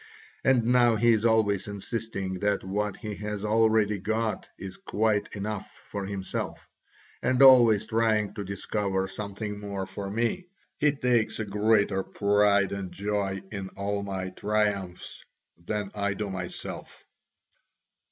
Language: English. And now he is always insisting that what he has already got is quite enough for himself, and always trying to discover something more for me: he takes a greater pride and joy in all my triumphs than I do myself."